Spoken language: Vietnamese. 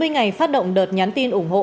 tuy ngày phát động đợt nhắn tin ủng hộ